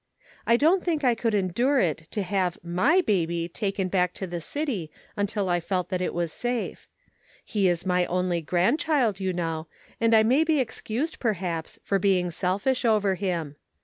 I don't think I could endure it to have my baby taken back to the city until I felt that it was safe. He is my only grandchild, you know, and I Measuring Human Influence. 379 may be excused, perhaps, for being selfish over him.